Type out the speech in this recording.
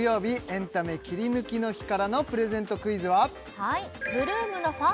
エンタメキリヌキの日からのプレゼントクイズは？